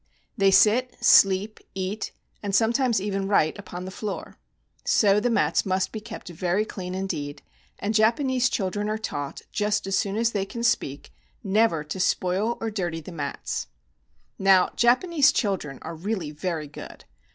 They sit, sleep, eat, and sometimes even write upon the floor. So the mats must be kept very clean indeed, and Japanese children are taught, just as soon as they can speak, never to spoil or dirty the mats. Now Japanese children are really very good.